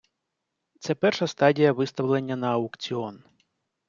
Це перша стадія виставлення на аукціон.